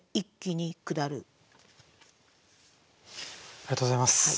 ありがとうございます。